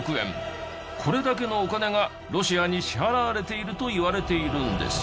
これだけのお金がロシアに支払われているといわれているんです。